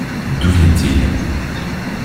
D’où viennent-ils?